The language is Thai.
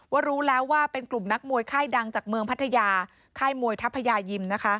รู้แล้วว่าเป็นกลุ่มนักมวยค่ายดังจากเมืองพัทยาค่ายมวยทัพยายิมนะคะ